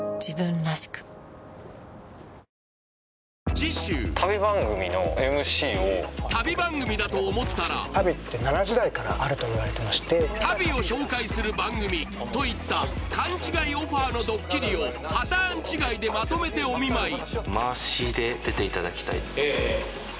次週旅番組だと思ったら足袋って奈良時代からあるといわれてまして足袋を紹介する番組といった勘違いオファーのドッキリをパターン違いでまとめてお見舞いまわしで出ていただきたいええ